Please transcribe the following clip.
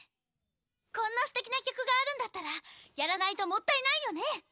こんなすてきな曲があるんだったらやらないともったいないよね！